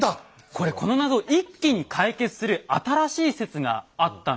これこのナゾを一気に解決する新しい説があったんです。